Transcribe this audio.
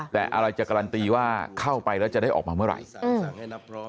แต่อะไรจะการันตีว่าเข้าไปแล้วจะได้ออกมาเมื่อไหร่